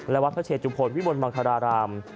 และทหรภจุบรรณวิมพรมังทราราม